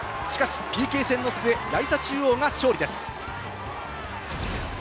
ＰＫ戦の末、矢板中央が勝利です。